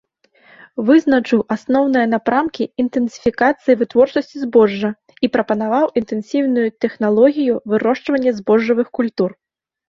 Вызначыў асноўныя напрамкі інтэнсіфікацыі вытворчасці збожжа і прапанаваў інтэнсіўную тэхналогію вырошчвання збожжавых культур.